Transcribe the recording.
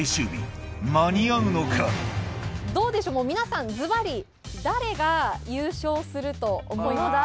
もう皆さんずばり誰が優勝すると思いますか？